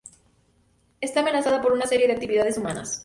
Está amenazada por una serie de actividades humanas.